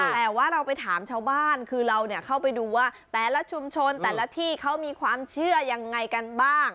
แต่ว่าเราไปถามชาวบ้านคือเราเข้าไปดูว่าแต่ละชุมชนแต่ละที่เขามีความเชื่อยังไงกันบ้าง